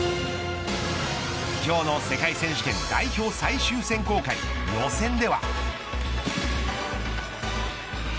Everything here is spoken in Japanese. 今日の世界選手権代表最終選考会予選では。